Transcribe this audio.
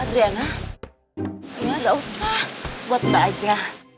adriana gak usah buat mbak aja